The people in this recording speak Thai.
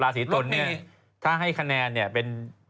ศรีตนเนี่ยถ้าให้คะแนนเนี่ยเป็น